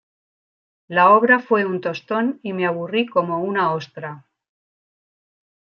La obra fue un tostón y me aburrí como una ostra